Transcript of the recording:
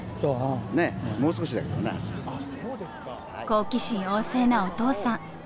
好奇心旺盛なお父さん。